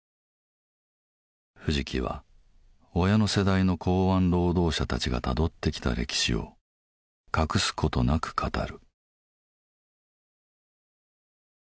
藤木は親の世代の港湾労働者たちがたどってきた歴史を隠すことなく語る。